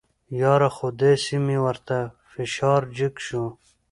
یاره خو داسې مې ورته فشار جګ شو.